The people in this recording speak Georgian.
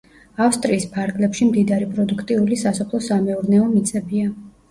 ავსტრიის ფარგლებში მდიდარი პროდუქტიული სასოფლო-სამეურნეო მიწებია.